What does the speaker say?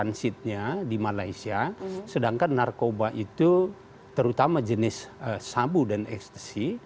transitnya di malaysia sedangkan narkoba itu terutama jenis sabu dan ekstasi